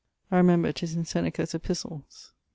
I remember 'tis in Seneca's Epistles.